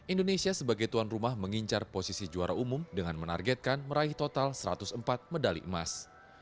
indonesia sebagai tuan rumah mengincar posisi juara umum dengan menargetkan meraih total satu ratus empat medali emas